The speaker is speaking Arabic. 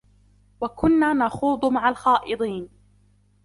وَكُنَّا نَخُوضُ مَعَ الْخَائِضِينَ